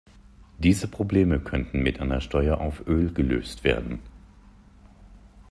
Diese Probleme können mit einer Steuer auf Öl gelöst werden.